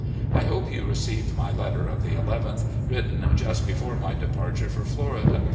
I hope you received my letter of the nth, written just before my departure for Florida.